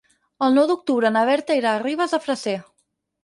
El nou d'octubre na Berta irà a Ribes de Freser.